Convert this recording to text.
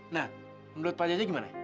nah menurut pak jaji gimana